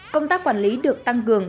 công tác quản lý được tăng cường